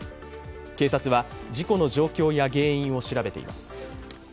警察は事故の状況や原因を調べています。